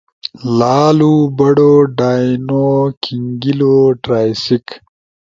لالو بڑو ڈائنو [کھنگیلو] ٹرائسیک۔